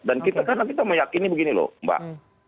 dan kita karena kita meyakini begini loh mbak